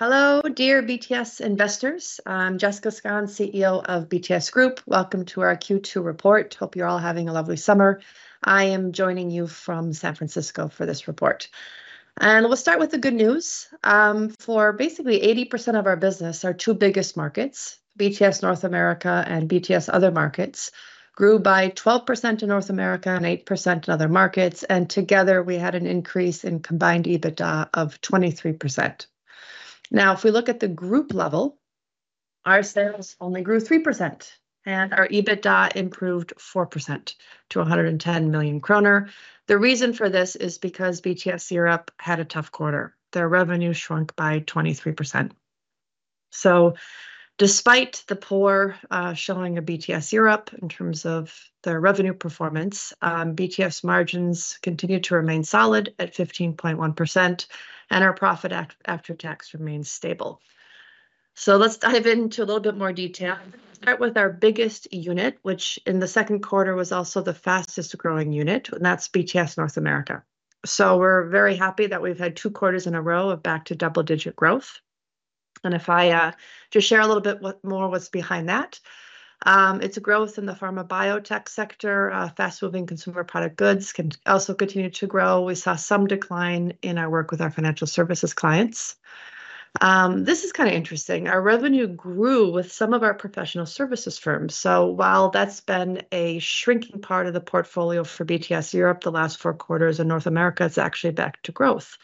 Hello, dear BTS investors. I'm Jessica Skon, CEO of BTS Group. Welcome to our Q2 report. Hope you're all having a lovely summer. I am joining you from San Francisco for this report. We'll start with the good news. For basically 80% of our business, our two biggest markets, BTS North America and BTS Other Markets, grew by 12% in North America and 8% in other markets, and together, we had an increase in combined EBITDA of 23%. Now, if we look at the group level, our sales only grew 3%, and our EBITDA improved 4% to 110 million kronor. The reason for this is because BTS Europe had a tough quarter. Their revenue shrunk by 23%. So despite the poor showing of BTS Europe in terms of their revenue performance, BTS margins continued to remain solid at 15.1%, and our profit after tax remains stable. So let's dive into a little bit more detail. Start with our biggest unit, which in the second quarter was also the fastest-growing unit, and that's BTS North America. So we're very happy that we've had 2 quarters in a row of back to double-digit growth. And if I just share a little bit what's behind that, it's a growth in the pharma biotech sector. Fast-moving consumer product goods also continued to grow. We saw some decline in our work with our financial services clients. This is kinda interesting. Our revenue grew with some of our professional services firms. So while that's been a shrinking part of the portfolio for BTS Europe, the last four quarters in North America is actually back to growth.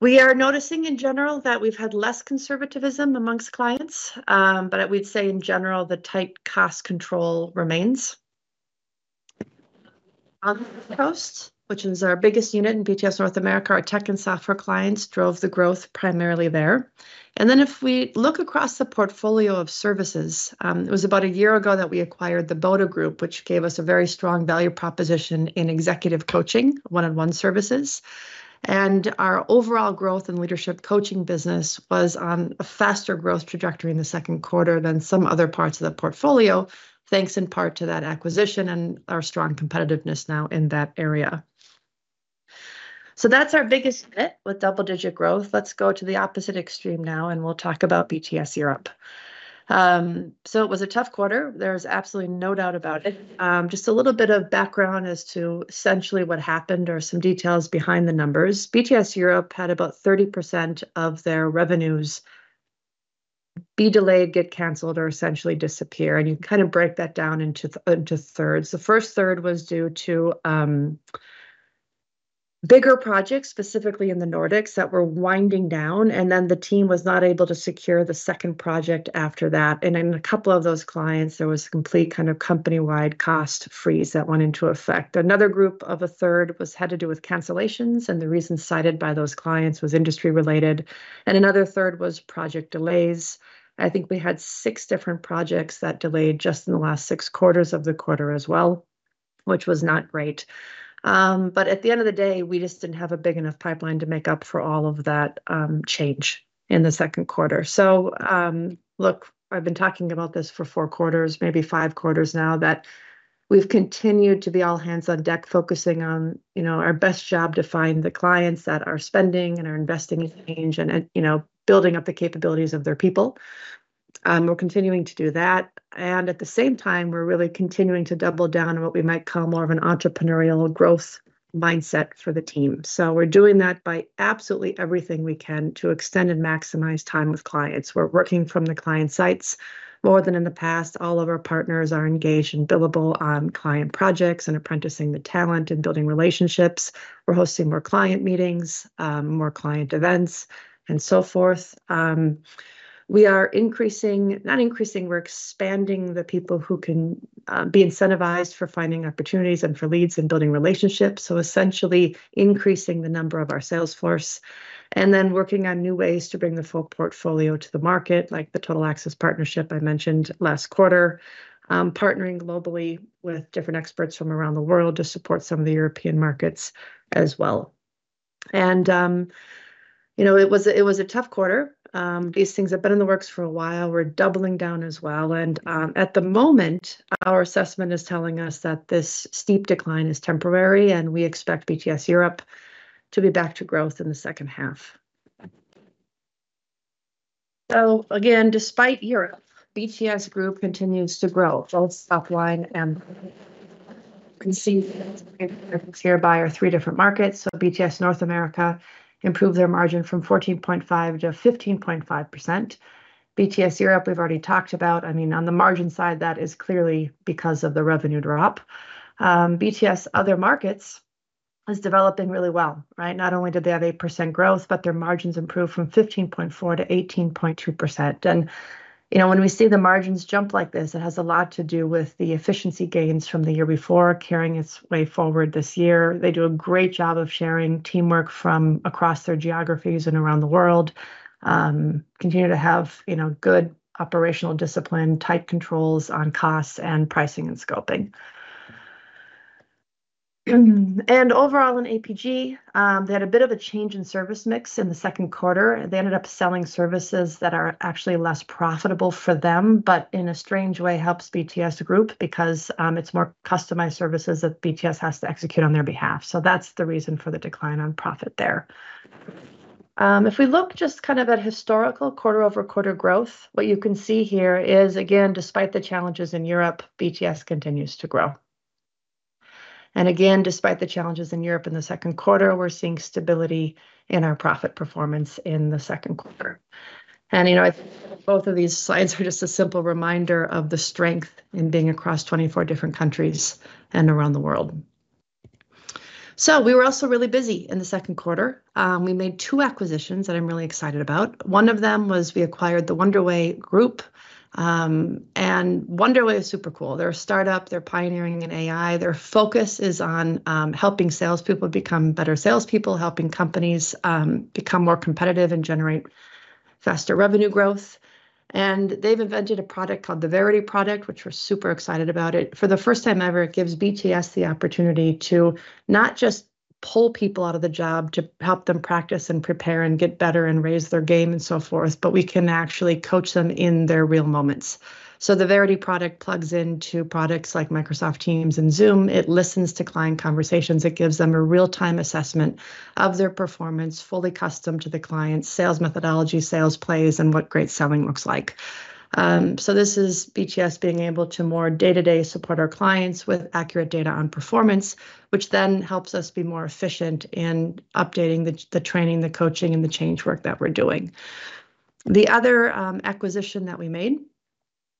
We are noticing in general that we've had less conservativism among clients, but I would say in general, the tight cost control remains. On the West Coast, which is our biggest unit in BTS North America, our tech and software clients drove the growth primarily there. And then if we look across the portfolio of services, it was about a year ago that we acquired the Boda Group, which gave us a very strong value proposition in executive coaching, one-on-one services. And our overall growth and leadership coaching business was on a faster growth trajectory in the second quarter than some other parts of the portfolio, thanks in part to that acquisition and our strong competitiveness now in that area. So that's our biggest hit with double-digit growth. Let's go to the opposite extreme now, and we'll talk about BTS Europe. So it was a tough quarter. There's absolutely no doubt about it. Just a little bit of background as to essentially what happened or some details behind the numbers. BTS Europe had about 30% of their revenues be delayed, get canceled, or essentially disappear, and you kind of break that down into thirds. The first third was due to bigger projects, specifically in the Nordics, that were winding down, and then the team was not able to secure the second project after that. And in a couple of those clients, there was a complete kind of company-wide cost freeze that went into effect. Another group of a third was... had to do with cancellations, and the reason cited by those clients was industry-related, and another third was project delays. I think we had six different projects that delayed just in the last six quarters of the quarter as well, which was not great. But at the end of the day, we just didn't have a big enough pipeline to make up for all of that, change in the second quarter. So, look, I've been talking about this for four quarters, maybe five quarters now, that we've continued to be all hands on deck, focusing on, you know, our best job to find the clients that are spending and are investing in change and you know, building up the capabilities of their people. We're continuing to do that, and at the same time, we're really continuing to double down on what we might call more of an entrepreneurial growth mindset for the team. So we're doing that by absolutely everything we can to extend and maximize time with clients. We're working from the client sites more than in the past. All of our partners are engaged and billable on client projects and apprenticing the talent and building relationships. We're hosting more client meetings, more client events, and so forth. We're expanding the people who can be incentivized for finding opportunities and for leads and building relationships, so essentially increasing the number of our sales force, and then working on new ways to bring the full portfolio to the market, like the Total Access partnership I mentioned last quarter. Partnering globally with different experts from around the world to support some of the European markets as well. And, you know, it was a tough quarter. These things have been in the works for a while. We're doubling down as well, and at the moment, our assessment is telling us that this steep decline is temporary, and we expect BTS Europe to be back to growth in the second half. So again, despite Europe, BTS Group continues to grow, both top line and you can see here by our three different markets. So BTS North America improved their margin from 14.5%-15.5%. BTS Europe, we've already talked about. I mean, on the margin side, that is clearly because of the revenue drop. BTS Other Markets is developing really well, right? Not only do they have 8% growth, but their margins improved from 15.4%-18.2%. And, you know, when we see the margins jump like this, it has a lot to do with the efficiency gains from the year before carrying its way forward this year. They do a great job of sharing teamwork from across their geographies and around the world, continue to have, you know, good operational discipline, tight controls on costs and pricing and scoping. And overall in APJ, they had a bit of a change in service mix in the second quarter. They ended up selling services that are actually less profitable for them, but in a strange way, helps BTS Group because, it's more customized services that BTS has to execute on their behalf. So that's the reason for the decline on profit there. If we look just kind of at historical quarter-over-quarter growth, what you can see here is, again, despite the challenges in Europe, BTS continues to grow. Again, despite the challenges in Europe in the second quarter, we're seeing stability in our profit performance in the second quarter. You know, I think both of these slides are just a simple reminder of the strength in being across 24 different countries and around the world. We were also really busy in the second quarter. We made 2 acquisitions that I'm really excited about. One of them was, we acquired Wonderway. Wonderway is super cool. They're a startup. They're pioneering in AI. Their focus is on helping salespeople become better salespeople, helping companies become more competitive and generate faster revenue growth. They've invented a product called the Verity product, which we're super excited about it. For the first time ever, it gives BTS the opportunity to not just pull people out of the job, to help them practice and prepare and get better and raise their game and so forth, but we can actually coach them in their real moments. So the Verity product plugs into products like Microsoft Teams and Zoom. It listens to client conversations. It gives them a real-time assessment of their performance, fully custom to the client's sales methodology, sales plays, and what great selling looks like. So this is BTS being able to more day-to-day support our clients with accurate data on performance, which then helps us be more efficient in updating the training, the coaching, and the change work that we're doing. The other, acquisition that we made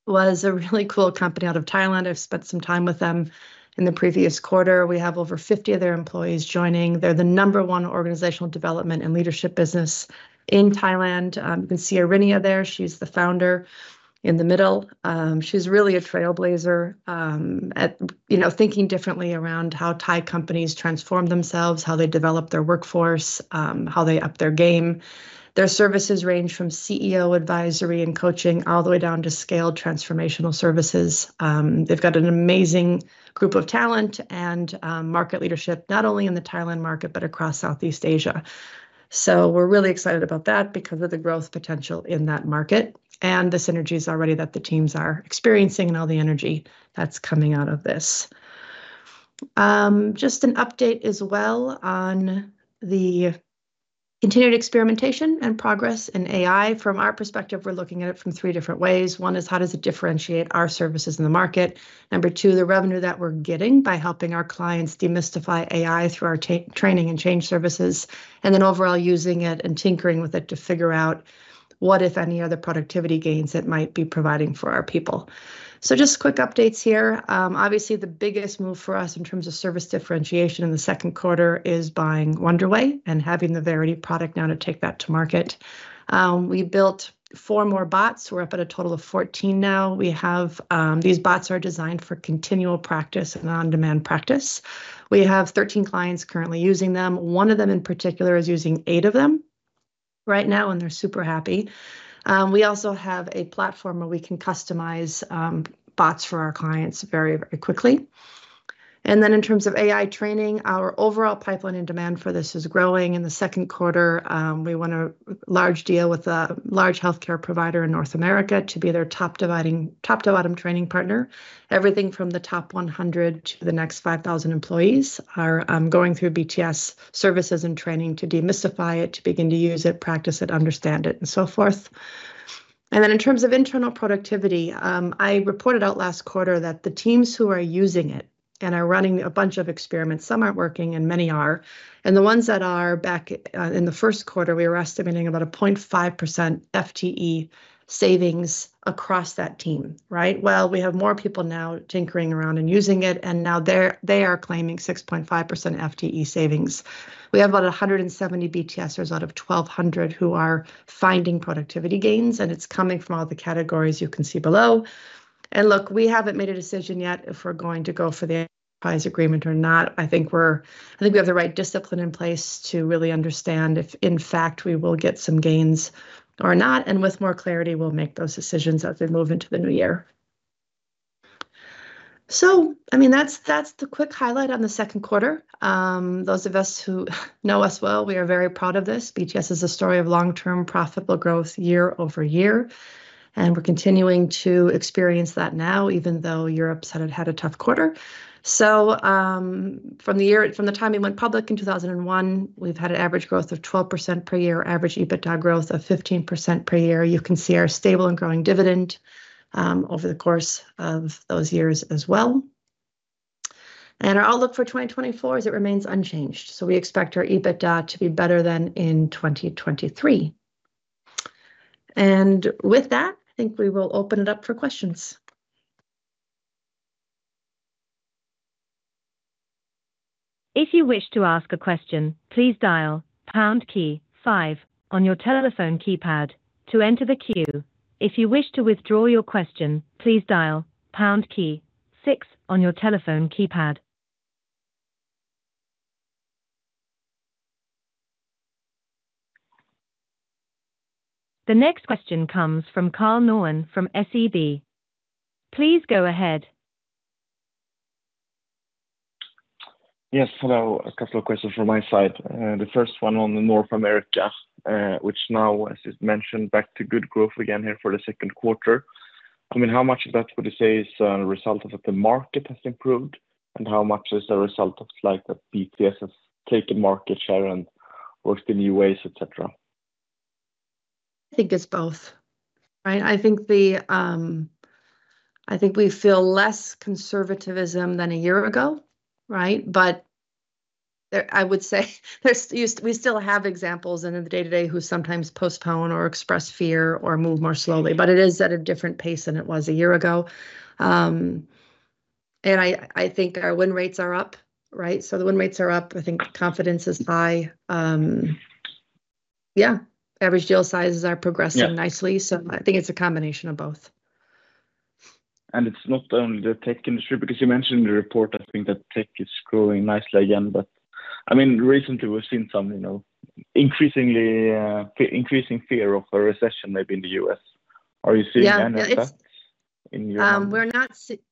was a really cool company out of Thailand. I've spent some time with them in the previous quarter. We have over 50 of their employees joining. They're the number one organizational development and leadership business in Thailand. You can see Arinya there, she's the founder, in the middle. She's really a trailblazer, at, you know, thinking differently around how Thai companies transform themselves, how they develop their workforce, how they up their game. Their services range from CEO advisory and coaching, all the way down to scaled transformational services. They've got an amazing group of talent and, market leadership, not only in the Thailand market, but across Southeast Asia. So we're really excited about that because of the growth potential in that market and the synergies already that the teams are experiencing and all the energy that's coming out of this. Just an update as well on the continued experimentation and progress in AI. From our perspective, we're looking at it from three different ways. One is, how does it differentiate our services in the market? Number two, the revenue that we're getting by helping our clients demystify AI through our training and change services, and then overall using it and tinkering with it to figure out what, if any, other productivity gains it might be providing for our people. So just quick updates here. Obviously, the biggest move for us in terms of service differentiation in the second quarter is buying Wonderway and having the Verity product now to take that to market. We built 4 more bots. We're up at a total of 14 now. These bots are designed for continual practice and on-demand practice. We have 13 clients currently using them. One of them in particular is using 8 of them right now, and they're super happy. We also have a platform where we can customize bots for our clients very, very quickly. And then in terms of AI training, our overall pipeline and demand for this is growing. In the second quarter, we won a large deal with a large healthcare provider in North America to be their top-down, top-to-bottom training partner. Everything from the top 100 to the next 5,000 employees are going through BTS services and training to demystify it, to begin to use it, practice it, understand it, and so forth. And then in terms of internal productivity, I reported out last quarter that the teams who are using it and are running a bunch of experiments, some aren't working and many are, and the ones that are back, in the first quarter, we were estimating about 0.5% FTE savings across that team, right? Well, we have more people now tinkering around and using it, and now they are claiming 6.5% FTE savings. We have about 170 BTSers out of 1,200 who are finding productivity gains, and it's coming from all the categories you can see below. And look, we haven't made a decision yet if we're going to go for the agreement or not. I think we have the right discipline in place to really understand if, in fact, we will get some gains or not, and with more clarity, we'll make those decisions as we move into the new year. So, I mean, that's, that's the quick highlight on the second quarter. Those of us who know us well, we are very proud of this. BTS is a story of long-term profitable growth year-over-year, and we're continuing to experience that now, even though Europe's had a tough quarter. So, from the time we went public in 2001, we've had an average growth of 12% per year, average EBITDA growth of 15% per year. You can see our stable and growing dividend over the course of those years as well. Our outlook for 2024 is, it remains unchanged, so we expect our EBITDA to be better than in 2023. With that, I think we will open it up for questions. If you wish to ask a question, please dial pound key five on your telephone keypad to enter the queue. If you wish to withdraw your question, please dial pound key six on your telephone keypad. The next question comes from Karl Norén from SEB. Please go ahead. Yes, hello. A couple of questions from my side. The first one on North America, which now, as you've mentioned, back to good growth again here for the second quarter.... I mean, how much of that would you say is a result of that the market has improved? And how much is the result of, like, the BTS's taking market share and working new ways, et cetera? I think it's both, right? I think we feel less conservatism than a year ago, right? But I would say, we still have examples in the day-to-day who sometimes postpone or express fear or move more slowly, but it is at a different pace than it was a year ago. And I think our win rates are up, right? So the win rates are up. I think confidence is high. Yeah, average deal sizes are progressing- Yeah... nicely, so I think it's a combination of both. It's not only the tech industry, because you mentioned in the report, I think, that tech is growing nicely again. But, I mean, recently we've seen some, you know, increasing fear of a recession, maybe in the U.S. Are you seeing- Yeah any effects in your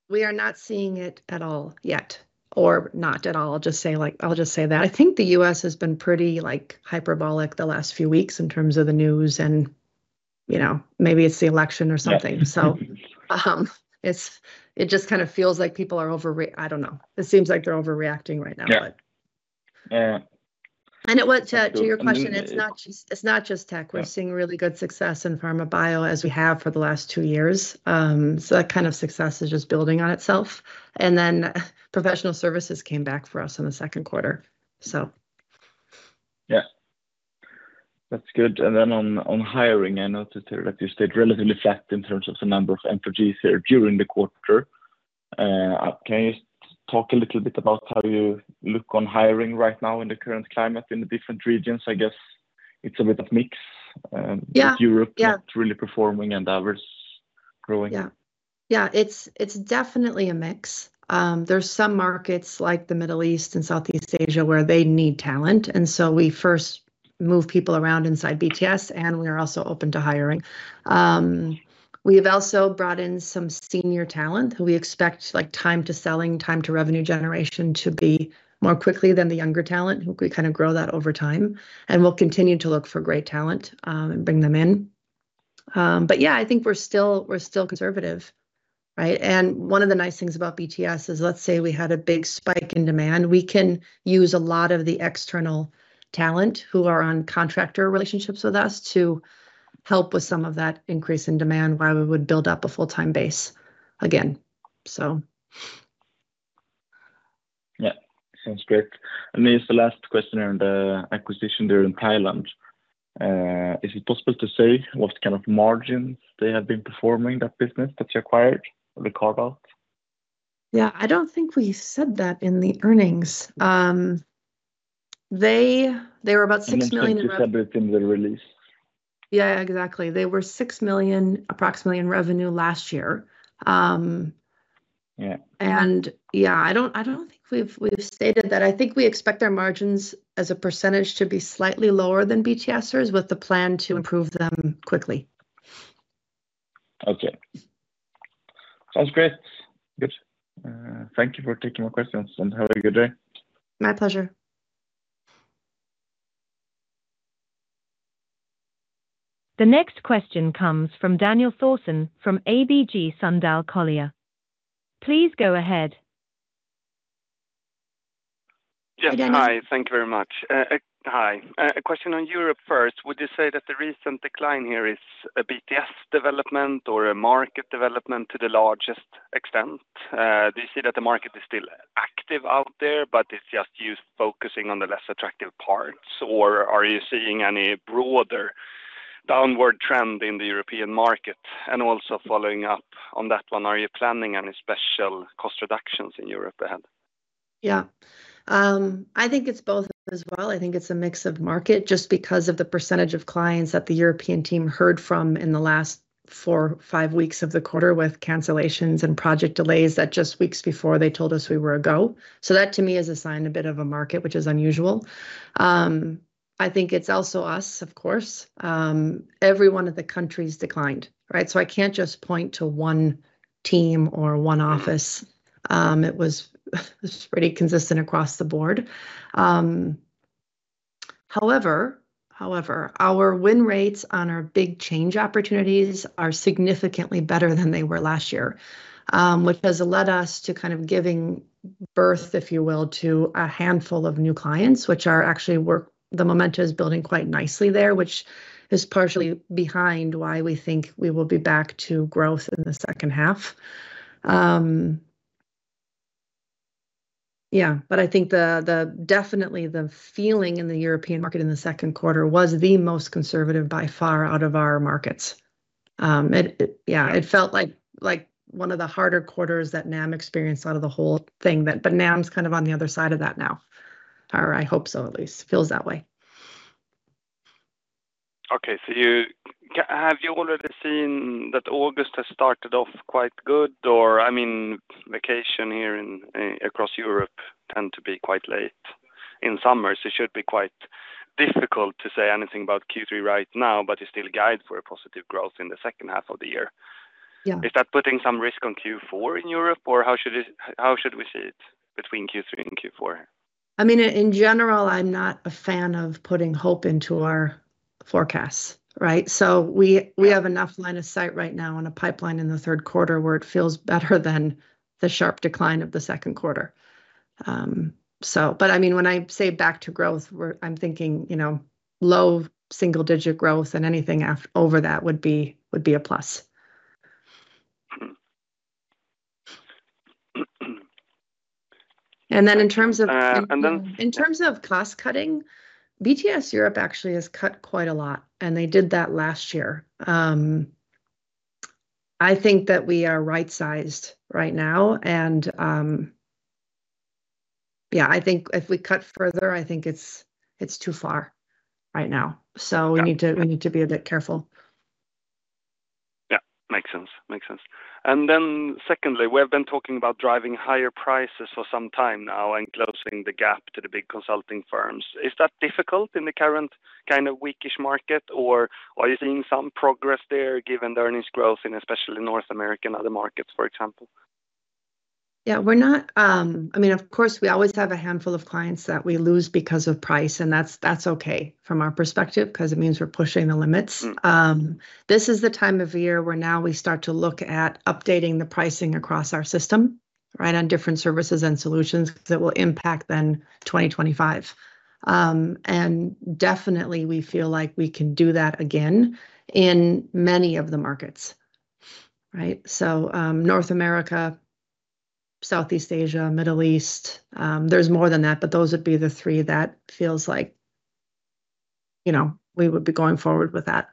We're not seeing it at all yet, or not at all. I'll just say, like, I'll just say that. I think the U.S. has been pretty, like, hyperbolic the last few weeks in terms of the news, and, you know, maybe it's the election or something. Yeah. So, it just kind of feels like people are overreacting. I don't know. It seems like they're overreacting right now. Yeah. But- Yeah ... and it went to your question, it's not just, it's not just tech. Yeah. We're seeing really good success in pharma bio, as we have for the last two years. So that kind of success is just building on itself, and then professional services came back for us in the second quarter, so. Yeah. That's good, and then on, on hiring, I noticed here that you stayed relatively flat in terms of the number of employees there during the quarter. Can you talk a little bit about how you look on hiring right now in the current climate in the different regions? I guess it's a bit of mix. Yeah, yeah... Europe not really performing and others growing. Yeah. Yeah, it's definitely a mix. There's some markets, like the Middle East and Southeast Asia, where they need talent, and so we first move people around inside BTS, and we are also open to hiring. We have also brought in some senior talent who we expect, like, time to selling, time to revenue generation to be more quickly than the younger talent, who we kind of grow that over time, and we'll continue to look for great talent, and bring them in. But yeah, I think we're still, we're still conservative, right? One of the nice things about BTS is, let's say we had a big spike in demand, we can use a lot of the external talent who are on contractor relationships with us to help with some of that increase in demand while we would build up a full-time base again, so. Yeah. Sounds great. This is the last question around the acquisition there in Thailand. Is it possible to say what kind of margins they have been performing, that business that you acquired, the carve-out? Yeah, I don't think we said that in the earnings. They were about 6 million re- Mentioned it in the release. Yeah, exactly. They were approximately 6 million in revenue last year. Yeah. And yeah, I don't think we've stated that. I think we expect their margins as a percentage to be slightly lower than BTS's, with the plan to improve them quickly. Okay. Sounds great. Good. Thank you for taking my questions, and have a good day. My pleasure. The next question comes from Daniel Thorsson from ABG Sundal Collier. Please go ahead. Yes, hi. Hello. Thank you very much. Hi, a question on Europe first. Would you say that the recent decline here is a BTS development or a market development to the largest extent? Do you see that the market is still active out there, but it's just you focusing on the less attractive parts, or are you seeing any broader downward trend in the European market? And also following up on that one, are you planning any special cost reductions in Europe ahead? Yeah. I think it's both as well. I think it's a mix of market, just because of the percentage of clients that the European team heard from in the last 4-5 weeks of the quarter, with cancellations and project delays that just weeks before they told us we were a go. So that to me is a sign, a bit of a market, which is unusual. I think it's also us, of course. Every one of the countries declined, right? So I can't just point to one team or one office. It was pretty consistent across the board. However, our win rates on our big change opportunities are significantly better than they were last year, which has led us to kind of giving birth, if you will, to a handful of new clients, which are actually work... The momentum is building quite nicely there, which is partially behind why we think we will be back to growth in the second half. Yeah, but I think definitely the feeling in the European market in the second quarter was the most conservative by far out of our markets. Yeah, it felt like one of the harder quarters that NAM experienced out of the whole thing that, but NAM's kind of on the other side of that now, or I hope so, at least. Feels that way. Okay, so have you already seen that August has started off quite good? Or, I mean, vacation here in across Europe tend to be quite late in summers. It should be quite difficult to say anything about Q3 right now, but you still guide for a positive growth in the second half of the year. Yeah. Is that putting some risk on Q4 in Europe, or how should it, how should we see it between Q3 and Q4? I mean, in general, I'm not a fan of putting hope into our forecasts, right? So we have enough line of sight right now in a pipeline in the third quarter, where it feels better than the sharp decline of the second quarter. So, but, I mean, when I say back to growth, I'm thinking, you know, low single-digit growth, and anything over that would be a plus. And then in terms of- And then- In terms of cost cutting, BTS Europe actually has cut quite a lot, and they did that last year. I think that we are right-sized right now, and, yeah, I think if we cut further, I think it's, it's too far right now. Yeah. We need to be a bit careful. Yeah, makes sense. Makes sense. And then, secondly, we have been talking about driving higher prices for some time now and closing the gap to the big consulting firms. Is that difficult in the current kind of weakish market, or are you seeing some progress there, given the earnings growth in especially North America and other markets, for example? Yeah, we're not... I mean, of course, we always have a handful of clients that we lose because of price, and that's, that's okay from our perspective, because it means we're pushing the limits. Mm. This is the time of year where now we start to look at updating the pricing across our system, right, on different services and solutions, because it will impact then 2025. And definitely, we feel like we can do that again in many of the markets, right? So, North America, Southeast Asia, Middle East, there's more than that, but those would be the three that feels like, you know, we would be going forward with that.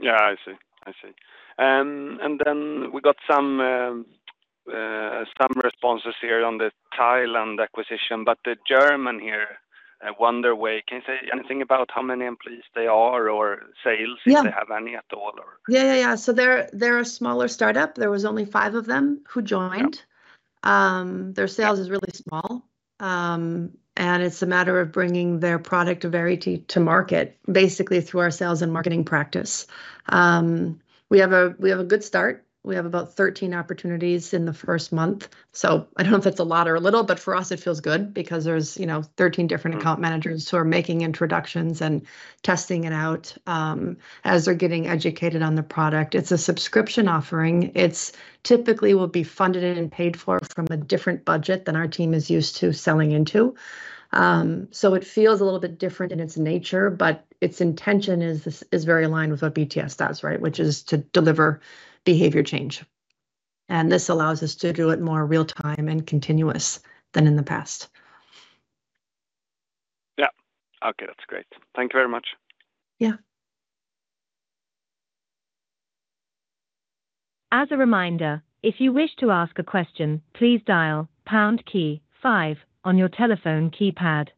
Yeah, I see. I see. And then we got some responses here on the Thailand acquisition, but the German here, at Wonderway, can you say anything about how many employees they are or sales- Yeah... if they have any at all or? Yeah, yeah, yeah. So they're, they're a smaller startup. There was only five of them who joined. Yeah. Their sales is really small. And it's a matter of bringing their product variety to market, basically through our sales and marketing practice. We have a good start. We have about 13 opportunities in the first month, so I don't know if that's a lot or a little, but for us it feels good, because there's, you know, 13 different- Mm... account managers who are making introductions and testing it out, as they're getting educated on the product. It's a subscription offering. It's typically will be funded and paid for from a different budget than our team is used to selling into. So it feels a little bit different in its nature, but its intention is very aligned with what BTS does, right, which is to deliver behavior change, and this allows us to do it more real time and continuous than in the past. Yeah. Okay, that's great. Thank you very much. Yeah. As a reminder, if you wish to ask a question, please dial pound key five on your telephone keypad.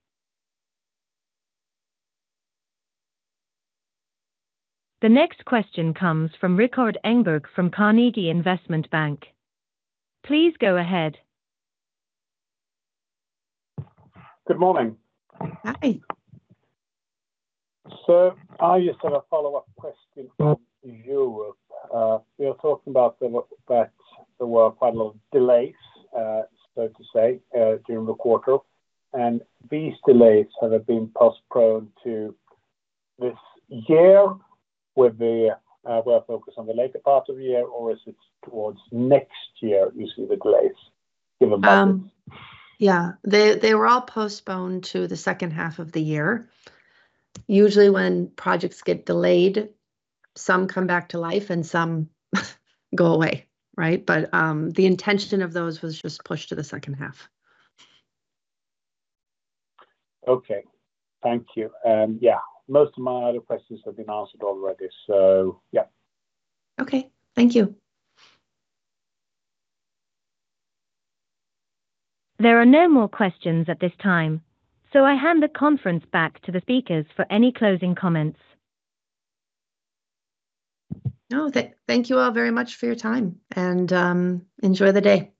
The next question comes from Rikard Engberg from Carnegie Investment Bank. Please go ahead. Good morning. Hi. So I just have a follow-up question on Europe. We are talking about the, that there were quite a lot of delays, so to say, during the quarter, and these delays that have been postponed to this year, would they, were focused on the later part of the year, or is it towards next year, you see the delays, given by this? Yeah. They, they were all postponed to the second half of the year. Usually, when projects get delayed, some come back to life and some go away, right? But, the intention of those was just pushed to the second half. Okay. Thank you. Yeah, most of my other questions have been answered already, so yeah. Okay. Thank you. There are no more questions at this time, so I hand the conference back to the speakers for any closing comments. No, thank you all very much for your time, and enjoy the day.